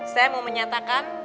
saya mau menyatakan